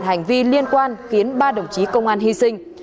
hành vi liên quan khiến ba đồng chí công an hy sinh